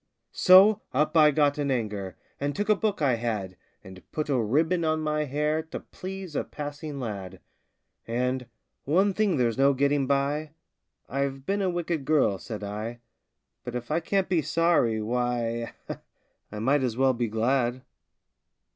So up I got in anger, And took a book I had, And put a ribbon on my hair To please a passing lad, And, "One thing there's no getting by I've been a wicked girl," said I; "But if I can't be sorry, why, I might as well be glad!"